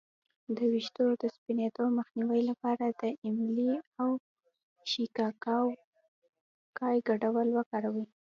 د ویښتو د سپینیدو مخنیوي لپاره د املې او شیکاکای ګډول وکاروئ